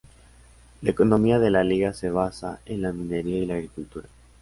La economía de la liga se basa en la minería y la agricultura.